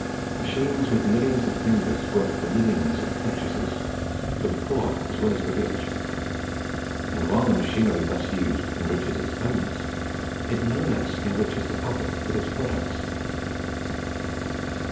Machines with millions of fingers work for millions of purchasers for the poor as well as the rich; and while the machinery thus used enriches its owners, it no less enriches the public with its products.